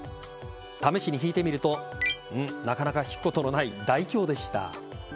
試しに引いてみるとなかなか引くことのない大凶でした。